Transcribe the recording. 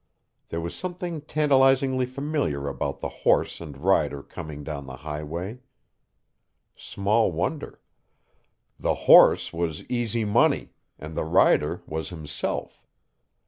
There was something tantalizingly familiar about the horse and rider coming down the highway. Small wonder: the "horse" was Easy Money and the rider was himself.